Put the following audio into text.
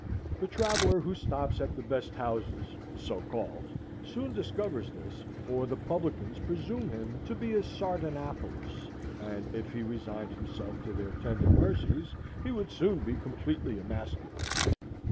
The traveller who stops at the best houses, so called, soon discovers this, for the publicans presume him to be a Sardanapalus, and if he resigned himself to their tender mercies he would soon be completely emasculated.